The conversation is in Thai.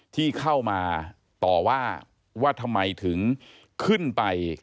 ที่เข้ามาต่อว่าว่าทำไมถึงขึ้นไป